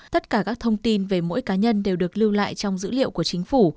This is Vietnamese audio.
tất cả các thông tin về mỗi cá nhân đều được lưu lại trong dữ liệu của chính phủ